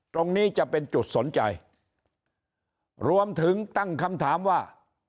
ตรงนี้จะเป็นจุดสนใจรวมถึงตั้งคำถามว่า